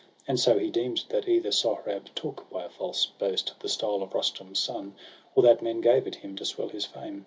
And so he deem'd that either Sohrab took, By a false boast, the style of Rustum's son; Or that men gave it him, to swell his fame.